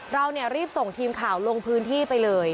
เรารีบส่งทีมข่าวลงพื้นที่ไปเลย